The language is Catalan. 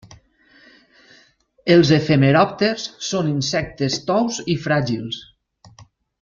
Els efemeròpters són insectes tous i fràgils.